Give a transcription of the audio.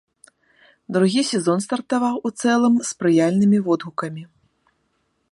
Другі сезон стартаваў у цэлым з спрыяльнымі водгукамі.